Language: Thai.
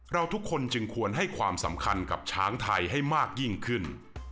เราทุกคนจึงควรให้ความสำคัญกับช้างไทยให้มากยิ่งขึ้น